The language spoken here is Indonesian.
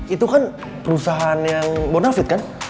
itu kan perusahaan yang bonafit kan